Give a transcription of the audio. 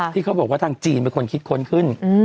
ที่เขาบอกว่าทางจีนเป็นคนคิดค้นขึ้น